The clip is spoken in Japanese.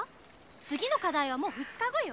次の課題はもう２日後よ？